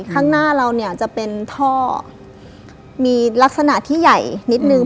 ข้างหน้าเราเนี่ยจะเป็นท่อมีลักษณะที่ใหญ่นิดนึง